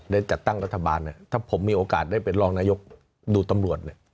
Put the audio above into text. ได้จัดตั้งรัฐบาลเนี่ยถ้าผมมีโอกาสได้เป็นรองนายกดูตำรวจเนี่ย